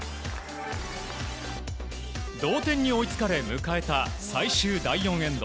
同点に追いつかれ迎えた最終第４エンド。